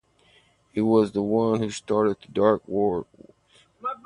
He was the one who started the Dark Wars.